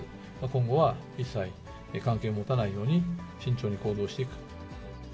今後は一切、関係を持たないように慎重に行動していく。